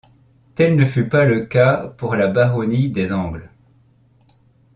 Tel ne fut pas le cas pour la Baronnie des Angles.